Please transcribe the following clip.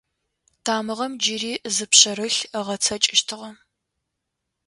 Тамыгъэм джыри зы пшъэрылъ ыгъэцакӏэщтыгъэ.